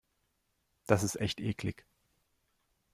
Das ist echt eklig.